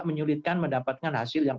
menyulitkan mendapatkan hasil yang